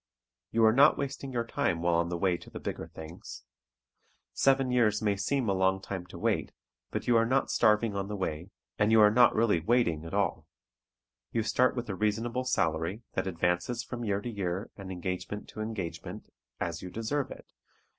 You are not wasting your time while on the way to the bigger things. Seven years may seem a long time to wait, but you are not starving on the way, and you are really not "waiting" at all. You start with a reasonable salary that advances from year to year and engagement to engagement, as you deserve it.